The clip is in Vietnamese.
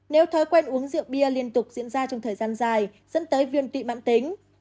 nếu thói quen uống rượu bia liên tục diễn ra trong thời gian dài dẫn tới viêm tị mãn tính